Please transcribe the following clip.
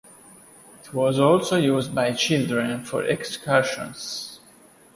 It was also used by children for excursions.